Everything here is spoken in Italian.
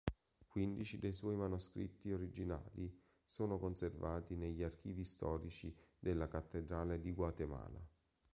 Quindici dei suoi manoscritti originali sono conservati negli archivi storici della Cattedrale di Guatemala.